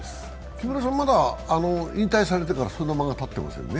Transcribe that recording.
木村さん、まだ引退されてからそんなに間がたってないですね。